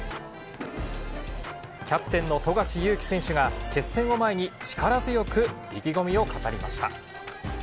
キャプテンの富樫勇樹選手が、決戦を前に、力強く意気込みを語りました。